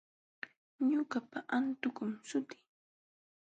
Ñuqapa antukum sutii.